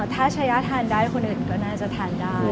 ถ้าชายะทานได้คนอื่นก็น่าจะทานได้